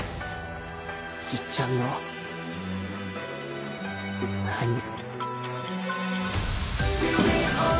じっちゃんの名に。